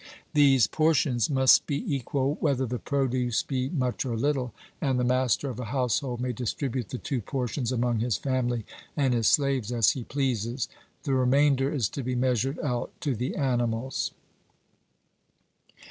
These portions must be equal whether the produce be much or little; and the master of a household may distribute the two portions among his family and his slaves as he pleases the remainder is to be measured out to the animals.